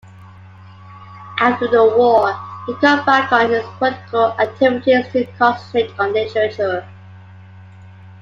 After the war, he cut back on his political activities to concentrate on literature.